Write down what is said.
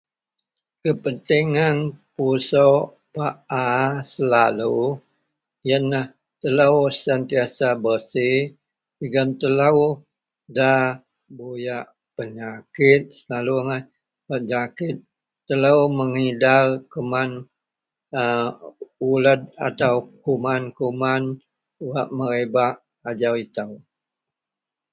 Kepentingan pusok paa selalu yenlah telou sentiasa beresi jegem telou nda buyak penyakit selalu angai pejakit. Telou mengidar keman a uled atau kuman-kuman wak merebak ajau itou.